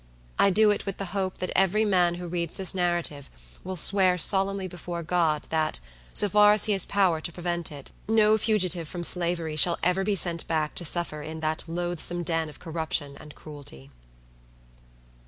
I do it with the hope that every man who reads this narrative will swear solemnly before God that, so far as he has power to prevent it, no fugitive from Slavery shall ever be sent back to suffer in that loathsome den of corruption and cruelty.